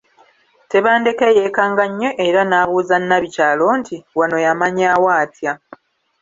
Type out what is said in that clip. Tebandeke yeekanga nnyo era n’abuuza Nabikyalo nti, “Wano yamanyawo atya?